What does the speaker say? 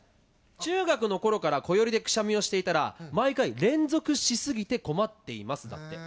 「中学の頃からこよりでくしゃみをしていたら毎回連続しすぎて困っています」だって。